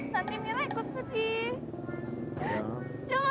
jangan sedih udah jangan nangis